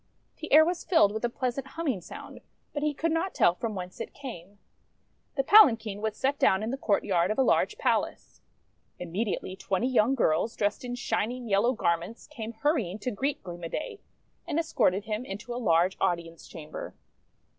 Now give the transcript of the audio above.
The air was filled with a pleasant humming sound, but he could not tell from whence it came. The palanquin was set down in the courtyard 156 THE WONDER GARDEN of a large palace. Immediately twenty young girls, dressed in shining yellow garments, came hurrying to greet Gleam o' Day, and escorted him into a large audience chamber.